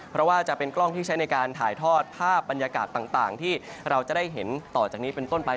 เพราะว่าจะเป็นกล้องที่ใช้ในการถ่ายทอดภาพบรรยากาศต่างที่เราจะได้เห็นต่อจากนี้เป็นต้นไป